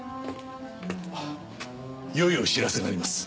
よいお知らせがあります。